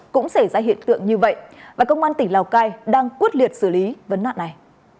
đã diễn ra hiện tượng như vậy và công an tỉnh lào cai đang quốc liệt xử lý vấn nạn này